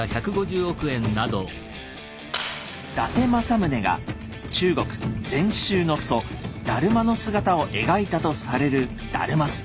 伊達政宗が中国禅宗の祖達磨の姿を描いたとされる「達磨図」。